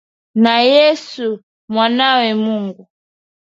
Na Yesu Mwanawe Mungu.